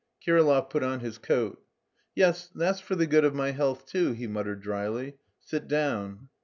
Kirillov put on his coat. "Yes, that's for the good of my health too," he muttered dryly. "Sit down."